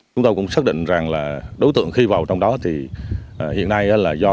chúng tôi cũng xác định rằng là đối tượng khi vào trong đó thì hiện nay là do